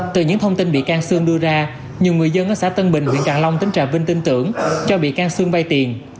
từ những thông tin bị can xương đưa ra nhiều người dân ở xã tân bình huyện trà vinh tin tưởng cho bị can xương vay tiền